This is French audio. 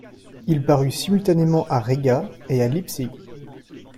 Il parut simultanément à Riga et à Leipzig.